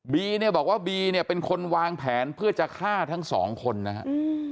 ีเนี่ยบอกว่าบีเนี่ยเป็นคนวางแผนเพื่อจะฆ่าทั้งสองคนนะครับ